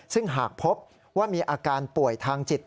ซึ่งหากพบว่ามีอาการป่วยทางจิต